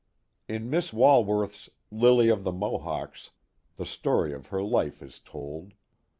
In Miss Walworth's Lily of the Mohawks y the story of her life is told.